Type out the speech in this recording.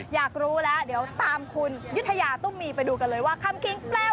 อยากรู้แล้วเดี๋ยวตามคุณยุธยาตุ้มมีไปดูกันเลยว่าคำคิงแปลว